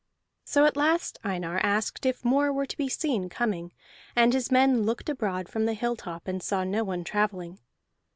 So at last Einar asked if more were to be seen coming, and his men looked abroad from the hilltop, and saw no one travelling.